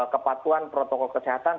kepatuhan protokol kesehatan